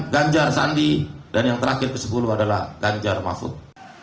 ganjar sandi dan yang terakhir ke sepuluh adalah ganjar mahfud